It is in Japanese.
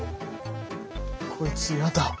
こいつやだ！